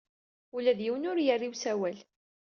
Ula d yiwen ur yerri i usawal.